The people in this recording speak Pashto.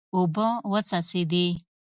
اوبه وڅڅېدې.